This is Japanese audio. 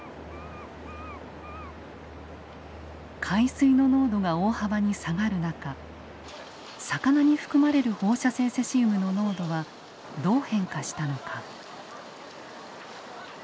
海水の濃度が大幅に下がる中魚に含まれる放射性セシウムの濃度はどう変化したのか。